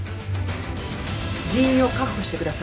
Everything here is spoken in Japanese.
人員を確保してください。